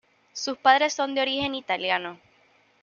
Sus padres son de origen italiano.